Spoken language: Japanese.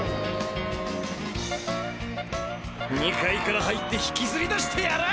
２階から入って引きずり出してやる！